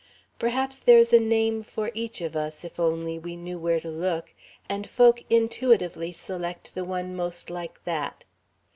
Perhaps there is a name for each of us, if only we knew where to look, and folk intuitively select the one most like that.